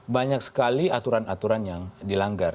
banyak sekali aturan aturan yang dilanggar